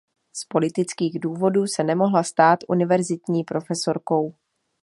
Z politických důvodů se nemohla stát univerzitní profesorkou.